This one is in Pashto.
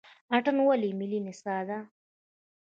اتن ولې ملي نڅا ده؟